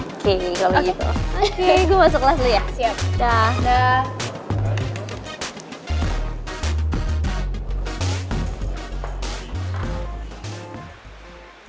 oke gue masuk kelas dulu ya